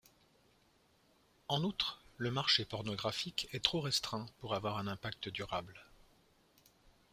En outre, le marché pornographique est trop restreint pour avoir un impact durable.